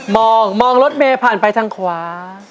มองมองรถเมย์ผ่านไปทางขวา